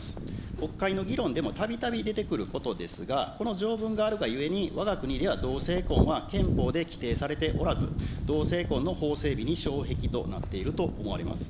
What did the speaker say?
国会の議論でもたびたび出てくることですが、この条文があるがゆえにわが国では同性婚は、憲法で規定されておらず、同性婚の法整備に障壁となっていると思われます。